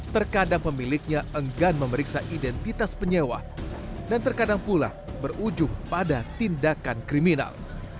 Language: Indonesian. terkadang pemiliknya enggan memeriksa identitas penyewa dan terkadang pula berujung pada tindakan kriminal